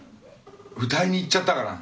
歌いに行っちゃったかな？